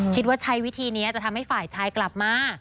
ใช้วิธีนี้จะทำให้ฝ่ายชายกลับมา